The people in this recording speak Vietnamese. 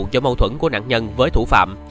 cho mâu thuẫn của nạn nhân với thủ phạm